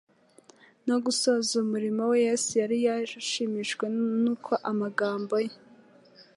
no gusohoza umurimo we." Yesu yari ashimishijwe nuko amagambo ye